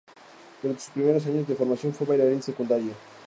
Durante sus primeros años de formación, fue bailarín secundario.